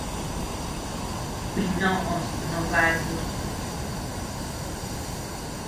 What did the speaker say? Kuinoʼos noo bakus.